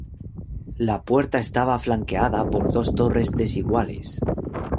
La puerta estaba flanqueada por dos torres, desiguales.